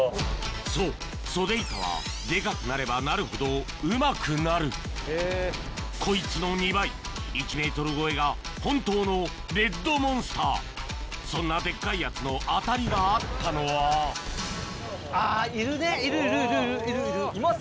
そうソデイカはデカくなればなるほどうまくなるこいつの２倍１ｍ超えが本当のレッドモンスターそんなデッカいやつの当たりがあったのはいます？